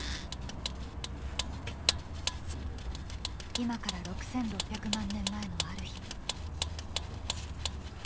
今から６６００万年前のある日。